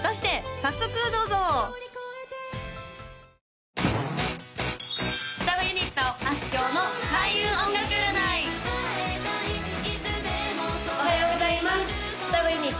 早速どうぞおはようございます双子ユニット